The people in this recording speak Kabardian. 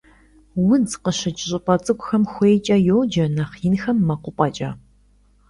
Удз къыщыкӀ щӀыпӀэ цӀыкӀухэм хуейкӀэ йоджэ, нэхъ инхэм - мэкъупӀэкӀэ.